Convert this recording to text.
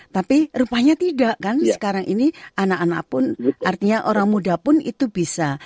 tapi rupanya tidak kan sekarang ini anak anak pun artinya orang muda pun itu bisa